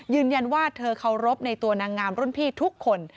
ยืนยันว่าเธอเคารพในตัวนางงามรุ่นพี่ทุกคน